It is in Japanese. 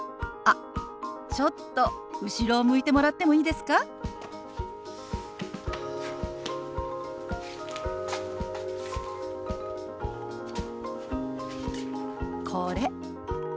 あちょっと後ろを向いてもらってもいいですか？これ。